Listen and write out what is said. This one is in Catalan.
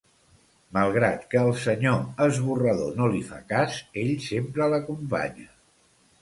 Malgrat que el Senyor Esborrador no li fa cas, ell sempre l’acompanya.